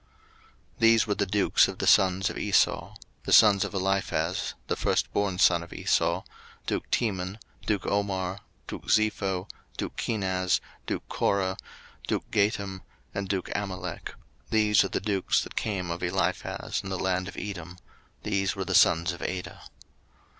01:036:015 These were dukes of the sons of Esau: the sons of Eliphaz the firstborn son of Esau; duke Teman, duke Omar, duke Zepho, duke Kenaz, 01:036:016 Duke Korah, duke Gatam, and duke Amalek: these are the dukes that came of Eliphaz in the land of Edom; these were the sons of Adah.